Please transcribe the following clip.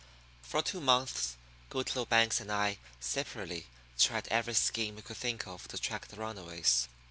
For two months Goodloe Banks and I separately tried every scheme we could think of to track the runaways.